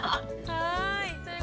はい。